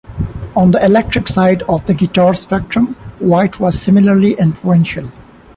On the electric side of the guitar spectrum, White was similarly influential.